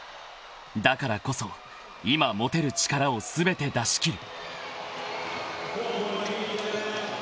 ［だからこそ今持てる力を全て出し切る］